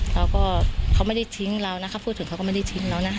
เขาก็เขาไม่ได้ทิ้งเรานะเขาพูดถึงเขาก็ไม่ได้ทิ้งเรานะ